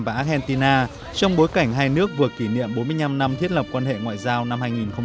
và argentina trong bối cảnh hai nước vừa kỷ niệm bốn mươi năm năm thiết lập quan hệ ngoại giao năm hai nghìn một mươi chín